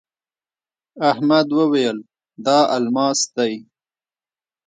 احمد وويل: دا الماس دی.